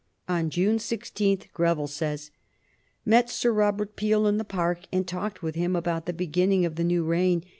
On June 16 Greville says: "Met Sir Robert Peel in the Park, and talked with him about the beginning of the new reign.